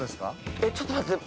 ◆えっ、ちょっと待って。